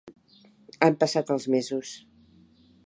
Han passat els mesos.